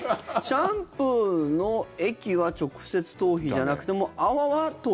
シャンプーの液は直接頭皮じゃなくても泡は頭皮？